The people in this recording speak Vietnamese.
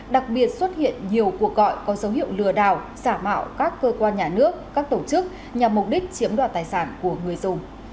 đặc biệt xuất hiện nhiều cuộc gọi có dấu hiệu lừa đảo giả mạo các cơ quan nhà nước các tổ chức nhằm mục đích chiếm đoạt tài sản của người dùng